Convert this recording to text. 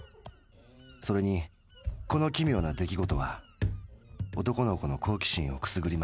それにこの奇妙な出来事は男の子の好奇心をくすぐりました。